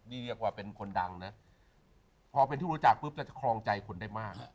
นี่เรียกว่าเป็นคนดังนะพอเป็นที่รู้จักปุ๊บเราจะครองใจคนได้มาก